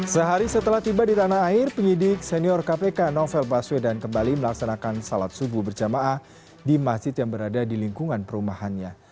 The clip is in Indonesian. sehari setelah tiba di tanah air penyidik senior kpk novel baswedan kembali melaksanakan salat subuh berjamaah di masjid yang berada di lingkungan perumahannya